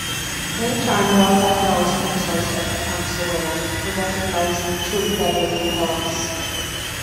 In turn Velda hurls insults at the councilwomen for recognizing Troop Beverly Hills.